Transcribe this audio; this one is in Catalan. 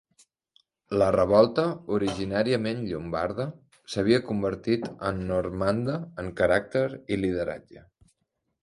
La revolta, originàriament llombarda, s'havia convertit en normanda en caràcter i lideratge.